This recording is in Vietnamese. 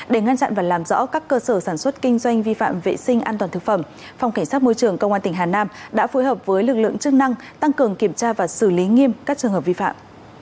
để ngăn chặn và làm rõ các cơ sở sản xuất kinh doanh vi phạm vệ sinh an toàn thực phẩm phòng cảnh sát môi trường công an tỉnh hà nam đã phối hợp với lực lượng chức năng tăng cường kiểm tra và xử lý nghiêm các trường hợp vi phạm